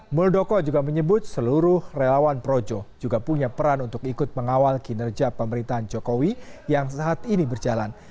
muldoko juga menyebut seluruh relawan projo juga punya peran untuk ikut mengawal kinerja pemerintahan jokowi yang saat ini berjalan